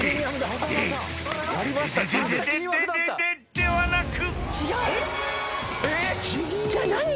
［ではなく］